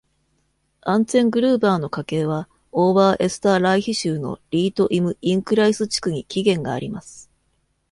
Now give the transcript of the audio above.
アンツェングルーバーの家系は、オーバーエスターライヒ州のリート・イム・インクライス地区に起源があります。